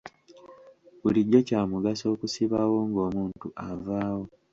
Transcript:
Bulijjo kya mugaso okusibawo ng'omuntu avaawo.